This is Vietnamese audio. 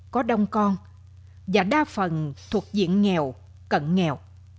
có đông con và đa phần thuộc diện nghèo cận nghèo